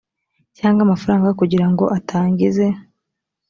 cyangwa amafaranga kugira ngo atangize